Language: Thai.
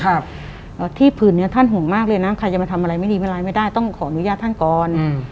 แล้วที่ผืนที่นี่ท่านหงมากเลยใครจะมาทำอะไรไม่ได้ไม่ดีให้ต้องขออนุญาตท่านก่อน